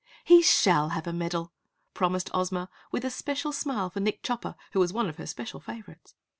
"He shall have a medal!" promised Ozma, with a special smile for Nick Chopper who was one of her special favorites.